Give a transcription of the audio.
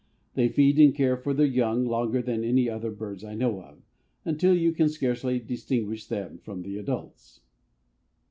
They feed and care for their young longer than any other birds I know of, until you can scarcely distinguish them from the adults."